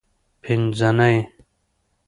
پینځنۍ